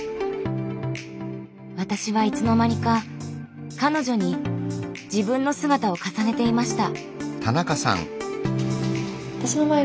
私はいつの間にか彼女に自分の姿を重ねていました。